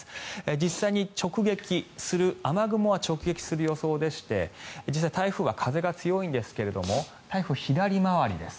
実際に雨雲は直撃する予想でして台風は風が強いんですが左回りです。